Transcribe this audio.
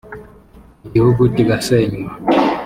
igihugu kigasenywa